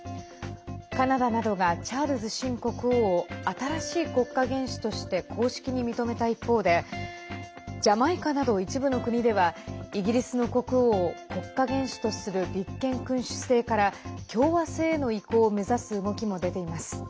カナダなどがチャールズ新国王を新しい国家元首として公式に認めた一方でジャマイカなど一部の国ではイギリスの国王を国家元首とする立憲君主制から共和制への移行を目指す動きも出ています。